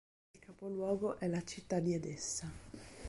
Il capoluogo è la città di Edessa.